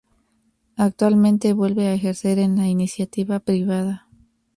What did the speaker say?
Actualmente vuelve a ejercer en la Iniciativa Privada.